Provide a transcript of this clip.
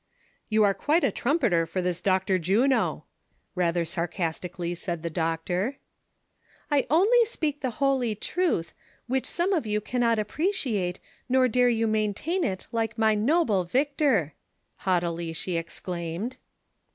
"You are quite a trumpeter for this Dr. Juno," rather sarcastically said the doctor. THE CONSPIRATORS AND LOVERS. 127 " I only speak the holy truth, which some of you cannot appreciate, nor dare you maintain it like my noble Victor," haughtily she exclaimed.